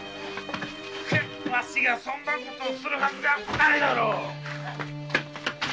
わしがそんなことをするはずがないだろう！